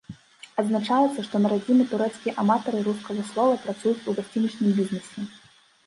Адзначаецца, што на радзіме турэцкія аматары рускага слова працуюць у гасцінічным бізнэсе.